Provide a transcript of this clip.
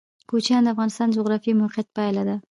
کوچیان د افغانستان د جغرافیایي موقیعت پایله ده.